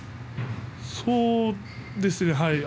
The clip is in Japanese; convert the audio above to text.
そうですね。